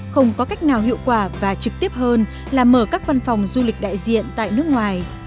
không có cách nào hiệu quả và trực tiếp hơn là mở các văn phòng du lịch đại diện tại nước ngoài